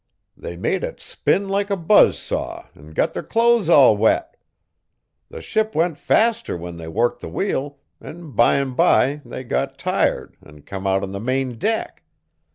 They made it spin like a buzz saw an' got their clothes all wet. The ship went faster when they worked the wheel, an' bime bye they got tired an' come out on the main deck.